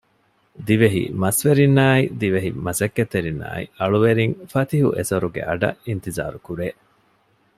ދިވެހި މަސްވެރިންނާއި ދިވެހި މަސައްކަތްތެރިންނާއި އަޅުވެރިން ފަތިހު އެސޮރުގެ އަޑަށް އިންތިޒާރު ކުރޭ